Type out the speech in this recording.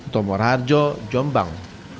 tomor harjo jombang